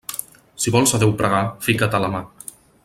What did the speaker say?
Si vols a Déu pregar, fica't a la mar.